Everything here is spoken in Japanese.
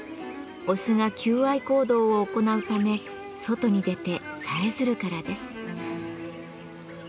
オスが求愛行動を行うため外に出てさえずるからです。